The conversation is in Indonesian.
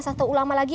satu ulama lagi